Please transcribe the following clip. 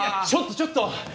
ちょっとちょっと！